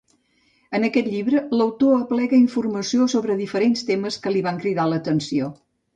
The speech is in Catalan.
En aquest llibre, l'autor aplega informació sobre diferents temes que li van cridar l'atenció.